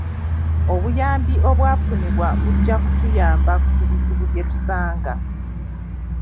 Obuyambi obwafunibwa bujja kutuyamba ku bizibu bye tusanga.